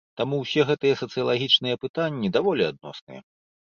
Таму ўсе гэтыя сацыялагічныя апытанні даволі адносныя.